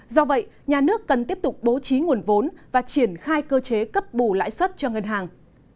do vậy nhà nước cần tiếp tục bố trí nguồn vốn và triển khai cơ chế cấp bù lãi suất cho ngân hàng